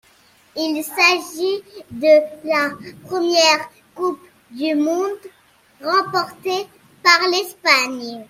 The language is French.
Il s'agit de la première Coupe du monde remportée par l'Espagne.